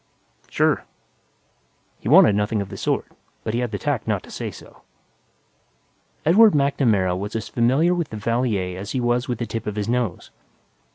"Sure." He wanted nothing of the sort, but had the tact not to say so. Edward MacNamara was as familiar with the Valier as he was with the tip of his nose.